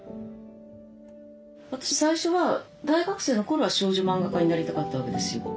私最初は大学生の頃は少女漫画家になりたかったわけですよ。